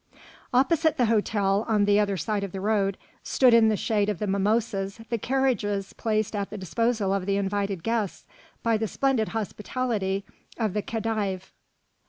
Opposite the hotel, on the other side of the road, stood in the shade of the mimosas the carriages placed at the disposal of the invited guests by the splendid hospitality of the Khedive.